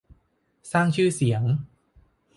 สร้างชื่อเสียง